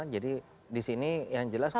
jadi di sini yang jelas kalau